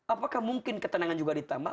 apakah mungkin ketenangan juga ditambah